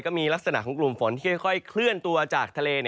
ก็มีลักษณะของกลุ่มฝนที่ค่อยเคลื่อนตัวจากทะเล